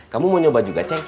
kamu mau nyoba juga cek